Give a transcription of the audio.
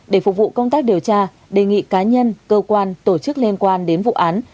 để phục vụ công tác điều tra đề nghị cá nhân cơ quan tổ chức liên quan đến vụ án